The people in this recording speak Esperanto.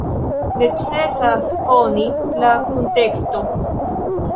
Necesas koni la kunteksto.